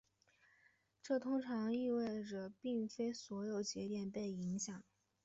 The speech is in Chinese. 这通常意味着并非所有的节点被影响。